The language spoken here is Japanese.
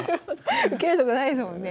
受けるとこないですもんね。